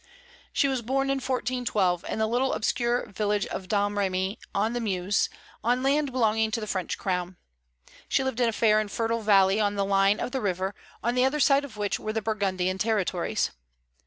She was born in 1412, in the little obscure village of Domremy on the Meuse, on land belonging to the French crown. She lived in a fair and fertile valley on the line of the river, on the other side of which were the Burgundian territories.